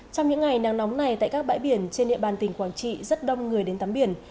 trong những ngày nắng nóng này tại các bãi biển trên địa bàn tỉnh quảng trị rất đông người đến tắm biển